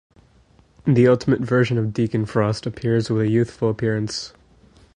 The Ultimate version of Deacon Frost appears with a youthful appearance.